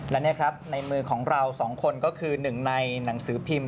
และนี่ครับในมือของเราสองคนก็คือหนึ่งในหนังสือพิมพ์